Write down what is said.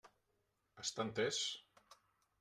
Està entès?